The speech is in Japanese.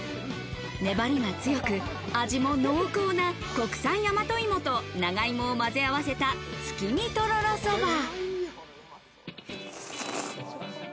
粘りが強く、味も濃厚な国産大和芋と長芋をまぜ合わせた月見とろろそば。